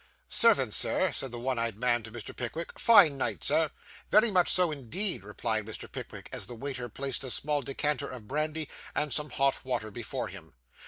'Servant, sir,' said the one eyed man to Mr. Pickwick. 'Fine night, sir.' 'Very much so indeed,' replied Mr. Pickwick, as the waiter placed a small decanter of brandy, and some hot water before him.